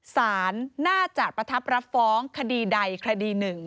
สารน่าจะประทับรับฟ้องคดีใดคดีหนึ่ง